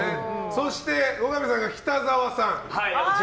そして、後上さんが北澤さん。